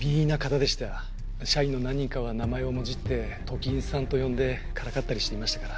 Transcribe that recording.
社員の何人かは名前をもじってトキンさんと呼んでからかったりしていましたから。